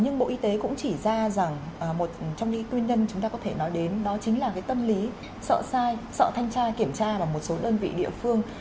nhưng bộ y tế cũng chỉ ra rằng một trong những nguyên nhân chúng ta có thể nói đến đó chính là cái tâm lý sợ sai sợ thanh tra kiểm tra ở một số đơn vị địa phương